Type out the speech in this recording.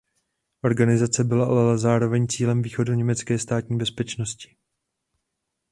Organizace byla ale zároveň cílem východoněmecké státní bezpečnosti.